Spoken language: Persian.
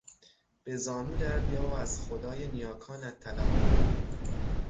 به زانو در بیا و از خدای نیاکانت طلب کن.